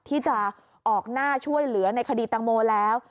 ที่จะออกหน้าช่วยเหลือในคดีตังโมแล้ว